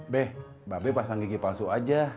b bapak b pasang gigi palsu aja